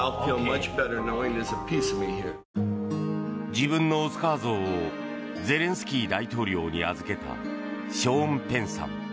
自分のオスカー像をゼレンスキー大統領に預けたショーン・ペンさん。